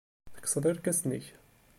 Tekkseḍ irkasen-nnek.